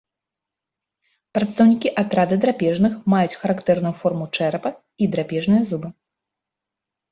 Прадстаўнікі атрада драпежных маюць характэрную форму чэрапа і драпежныя зубы.